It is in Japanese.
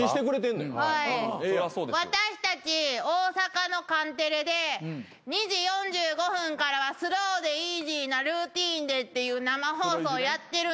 私たち大阪のカンテレで『２時４５分からはスローでイージーなルーティーンで』っていう生放送やってるんですよ。